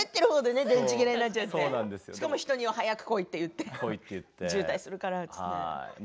人には早く来いって言って渋滞するからって。